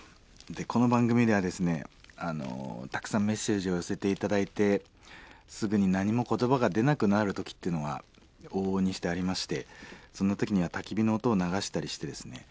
この番組ではですねたくさんメッセージを寄せて頂いてすぐに何も言葉が出なくなる時っていうのが往々にしてありましてそんな時にはたき火の音を流したりしてですね。